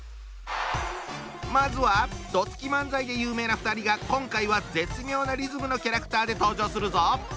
まずはどつき漫才で有名な２人が今回は絶妙なリズムのキャラクターで登場するぞ！